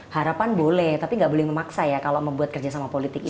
harapan boleh tapi nggak boleh memaksa ya kalau membuat kerjasama politik itu